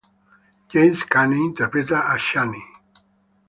James Cagney interpretaba a Chaney.